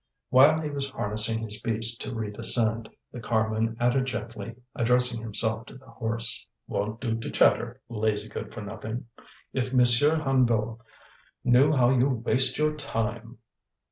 While he was harnessing his beast to re descend, the carman added gently, addressing himself to the horse: "Won't do to chatter, lazy good for nothing! If Monsieur Hennebeau knew how you waste your time!"